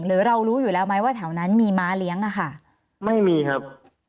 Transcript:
หรือเรารู้อยู่แล้วไหมว่าแถวนั้นมีม้าเลี้ยงอะค่ะไม่มีครับ